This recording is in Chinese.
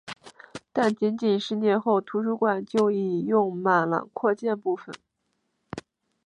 但仅仅十年后图书馆就已用满了扩建部分。